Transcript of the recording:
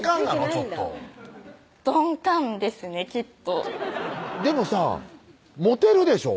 ちょっと鈍感ですねきっとでもさモテるでしょ？